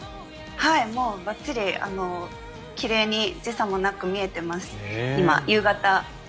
ばっちり奇麗に時差もなく見えています。